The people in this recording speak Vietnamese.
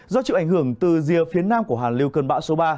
do chịu ảnh hưởng từ rìa phía nam của hàn lưu cơn bão số ba